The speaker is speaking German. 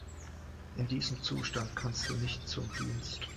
In diesem Zustand kannst du nicht zum Dienst.